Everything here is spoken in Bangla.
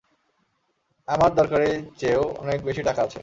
আমার দরকারের চেয়েও অনেক বেশি টাকা আছে।